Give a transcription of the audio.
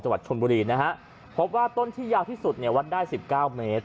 วัดชนบุรีนะฮะพบว่าต้นที่ยาวที่สุดเนี่ยวัดได้สิบเก้าเมตร